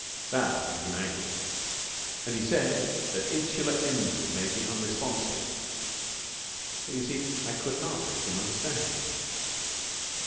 That made him angry, and he said that insular envy made me unresponsive. So, you see, I could not make him understand.